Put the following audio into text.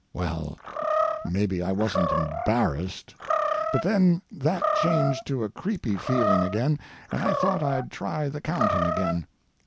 Well, maybe I wasn't embarrassed! But then that changed to a creepy feeling again, and I thought I'd try the counting again.